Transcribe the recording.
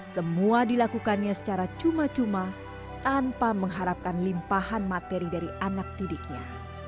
semua dilakukannya secara cuma cuma tanpa mengharapkan limpahan materi dari anak didiknya